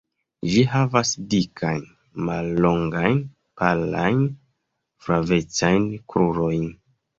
Ĝi havas dikajn, mallongajn, palajn, flavecajn krurojn.